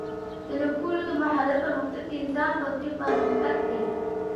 د لیکلو د مهارت پرمختګ د انسان فکري پرمختګ دی.